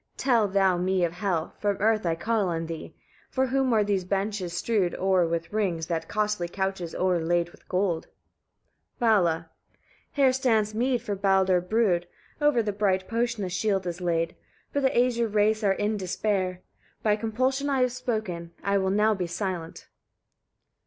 Tell thou me of Hel: from, earth I call on thee. For whom are those benches strewed o'er with rings, those costly couches o'erlaid with gold?" Vala. 12. "Here stands mead, for Baldr brewed, over the bright potion a shield is laid; but the Æsir race are in despair. By compulsion I have spoken. I will now be silent."